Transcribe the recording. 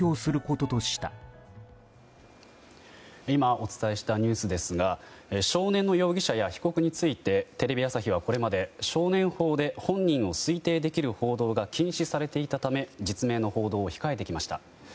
今、お伝えしたニュースですが少年の容疑者や被告についてテレビ朝日はこれまで少年法で本人を推定できる報道が禁止されていたため実名の報道を控えてきました。